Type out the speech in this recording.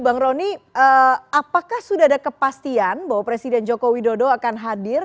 bang rony apakah sudah ada kepastian bahwa presiden jokowi dodo akan hadir